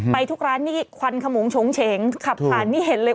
ไปทุกร้านนี่ควันขมงโฉงเฉงขับผ่านนี่เห็นเลย